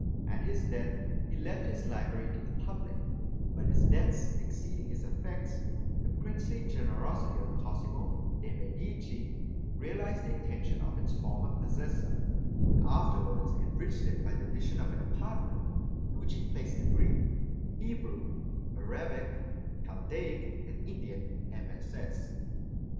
At his death, he left his library to the public, but his debts exceeding his effects, the princely generosity of Cosmo de' Medici realised the intention of its former possessor, and afterwards enriched it by the addition of an apartment, in which he placed the Greek, Hebrew, Arabic, Chaldaic, and Indian MSS.